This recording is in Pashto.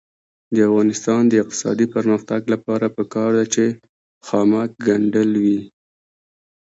د افغانستان د اقتصادي پرمختګ لپاره پکار ده چې خامک ګنډل وي.